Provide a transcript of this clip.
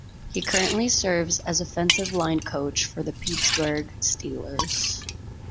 He currently serves as offensive line coach for the Pittsburgh Steelers.